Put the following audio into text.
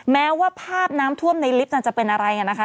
แม้ว่าภาพน้ำท่วมในลิฟต์นั้นจะเป็นอะไรนะคะ